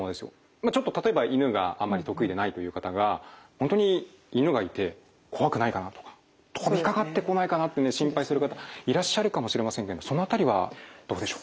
まあちょっと例えば犬があんまり得意でないという方が本当に犬がいて怖くないかな？とか飛びかかってこないかなってね心配する方いらっしゃるかもしれませんけどその辺りはどうでしょう？